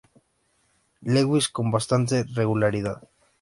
Lewis con bastante regularidad.